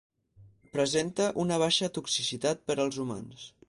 Presenta una baixa toxicitat per als humans.